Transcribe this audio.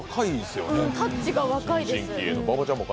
タッチが若いです。